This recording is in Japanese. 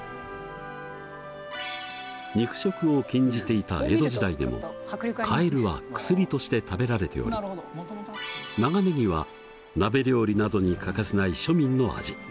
肉食を禁じていた江戸時代でもカエルは薬として食べられており長ねぎは鍋料理などに欠かせない庶民の味。